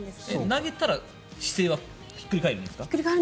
投げたら姿勢はひっくり返るんですか？